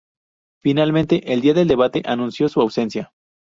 Finalmente, el día del debate, anunció su ausencia.